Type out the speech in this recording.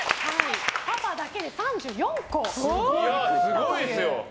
パパだけで３４個ですよ。